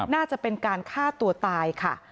น่าจะเป็นการฆ่าตัวตายค่ะ